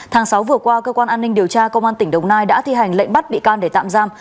tháng sáu vừa qua cơ quan an ninh điều tra công an tỉnh đồng nai đã thi hành lệnh bắt bị can để tạm giam